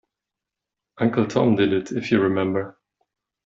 Uncle Tom did it, if you remember.